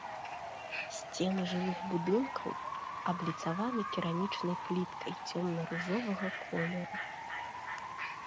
Сцены жылых будынкаў абліцаваны керамічнай пліткай цёмна-ружовага колеру.